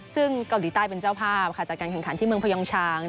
ซึ่งเกาหลีใต้เป็นเจ้าภาพค่ะจากการแข่งขันที่เมืองพยองชาง